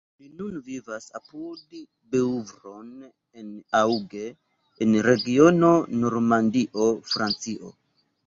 Li nun vivas apud Beuvron-en-Auge, en regiono Normandio, Francio.